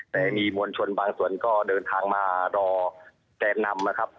แต่มีมวลชนบางส่วนก็เดินทางมารอแกนนำนะครับ